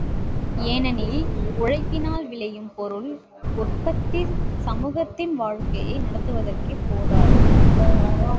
ஏனெனில் உழைப்பினால் விளையும் பொருள் உற்பத்தி சமூகத்தின் வாழ்க்கையை நடத்துவதற்கே போதாது.